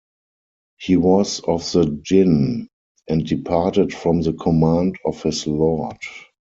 He was of the jinn and departed from the command of his Lord.